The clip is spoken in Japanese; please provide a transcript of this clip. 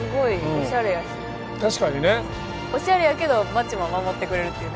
おしゃれやけど街も守ってくれるっていうね。